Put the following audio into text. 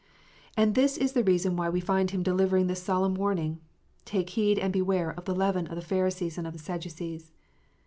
And this is the reason why we find Him delivering this solemn warning : "Take heed and beware of the leaven of. the Pharisees and of the Sadducees."